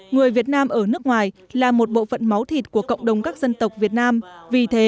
người việt nam ở nước ngoài là một bộ phận máu thịt của cộng đồng các xã hội